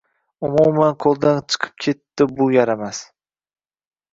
Umuman qoʻldan chiqib ketdi bu yaramas